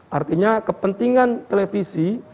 karena kepentingan televisi